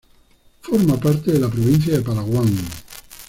Hace parte de la provincia de Palawan.